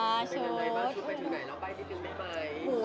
ค่ะชุด